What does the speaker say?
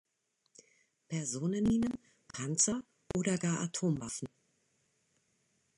Personenminen, Panzer oder gar Atomwaffen?